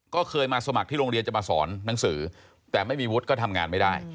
ก็เคยมาสมัครที่โรงเรียนจะมาสอนหนังสือแต่ไม่มีวุฒิก็ทำงานไม่ได้